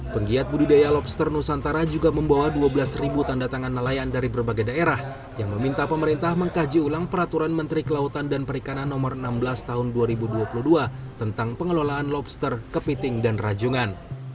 penggiat budidaya lobster nusantara juga membawa dua belas tanda tangan nelayan dari berbagai daerah yang meminta pemerintah mengkaji ulang peraturan menteri kelautan dan perikanan nomor enam belas tahun dua ribu dua puluh dua tentang pengelolaan lobster kepiting dan rajungan